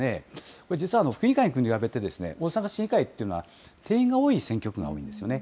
これ、実は府議会に比べて、大阪市議会というのは、定員が多い選挙区が多いんですよね。